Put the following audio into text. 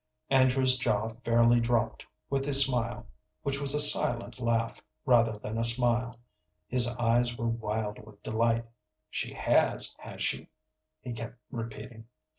Andrew's jaw fairly dropped with his smile, which was a silent laugh rather than a smile; his eyes were wild with delight. "She has, has she?" he kept repeating.